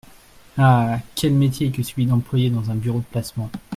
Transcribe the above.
Ah ! quel métier que celui d’employé dans un bureau de placement !